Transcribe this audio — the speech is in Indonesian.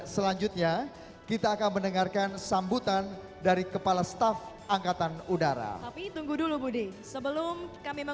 silahkan tuhan diberikan pad lumia